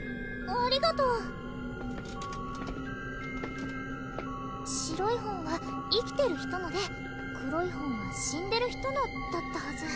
ありがとう白い本は生きてるヒトので黒い本は死んでるヒトのだったはず